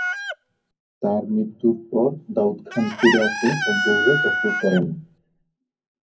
তার মৃত্যুর পর দাউদ খান ফিরে আসে ও গৌড় দখল করেন।